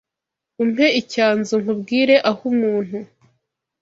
Umpe icyanzu nkubwire ah’umuntu